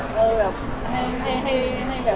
คงเป็นแบบเรื่องปกติที่แบบ